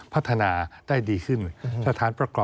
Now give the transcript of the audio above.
พัฒนาได้ดีขึ้น